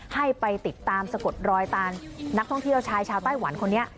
ให้ไปติดตามสะกดรอยตามนักท่องเที่ยวชายชาวไต้หวันคนนี้